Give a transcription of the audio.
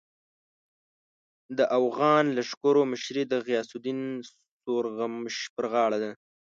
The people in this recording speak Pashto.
د اوغان لښکرو مشري د غیاث الدین سورغمش پر غاړه ده.